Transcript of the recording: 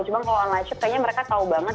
cuma kalau online shop kayaknya mereka tau banget